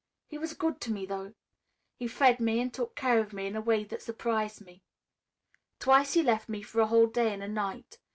He was good to me, though. He fed me and took care of me in a way that surprised me. "Twice he left me for a whole day and a night.